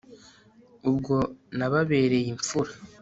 ubwo nababereye imfura